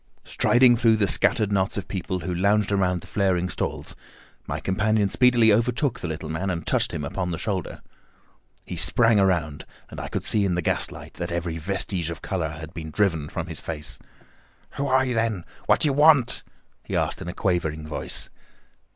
Striding through the scattered knots of people who lounged round the flaring stalls, my companion speedily overtook the little man and touched him upon the shoulder. He sprang round, and I could see in the gas light that every vestige of colour had been driven from his face. "Who are you, then? What do you want?" he asked in a quavering voice.